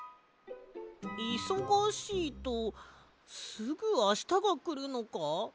いそがしいとすぐあしたがくるのか？